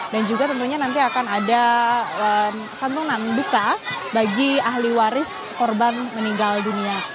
dan juga tentunya nanti akan ada santunan duka bagi ahli waris korban meninggal dunia